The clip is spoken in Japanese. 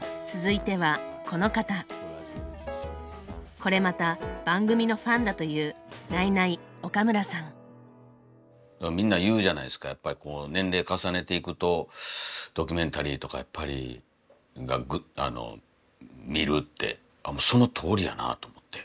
これまた番組のファンだというみんな言うじゃないですかやっぱりこう年齢重ねていくとドキュメンタリーとかやっぱり見るってそのとおりやなと思って。